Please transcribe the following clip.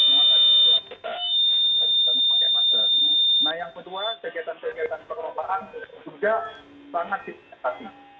nah yang kedua kegiatan kegiatan perubahan juga sangat disikapi